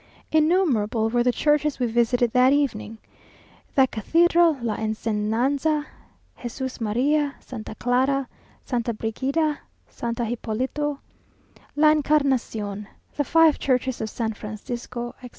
Innumerable were the churches we visited that evening; the Cathedral, La Ensenanza, Jesús María, Santa Clara, Santa Brigida, San Hipólito, La Encarnación, the five churches of San Francisco, etc.